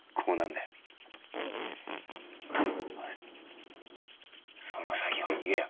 おいその先を言えよ。